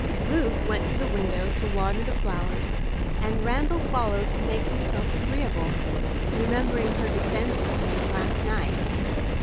Ruth went to the window to water the flowers, and Randal followed to make himself agreeable, remembering her defence of him last night.